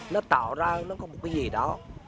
nó tạo ra nó có một cái gì đó